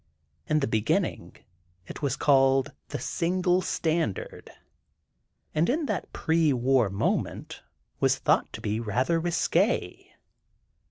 In the beginning, it was called "The Single Standard," and in that pre war moment, was thought to be rather risqué.